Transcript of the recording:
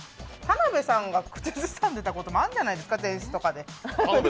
田辺さんが口ずさんでたこともあるんじゃないですか、前室で。